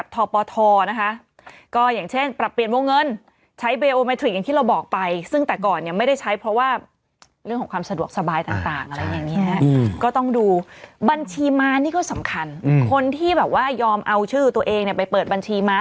บัญชีมานี่ก็สำคัญคนที่แบบว่ายอมเอาชื่อตัวเองไปเปิดบัญชีมา